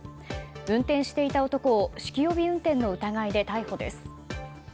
運転していた男を酒気帯び運転の疑いで逮捕です。